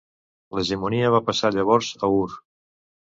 L'hegemonia va passar llavors a Ur.